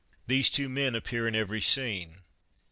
These two men appear in every scene.